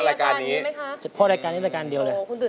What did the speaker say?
นั่งกงเทือนส้อมที่ตรงเนี้ย